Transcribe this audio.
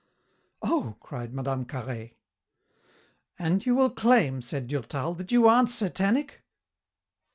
"Oh!" cried Mme. Carhaix. "And you will claim," said Durtal, "that you aren't Satanic?"